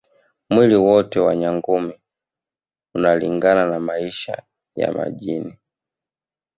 Mwili wote wa Nyangumi unalingana na maisha ya majini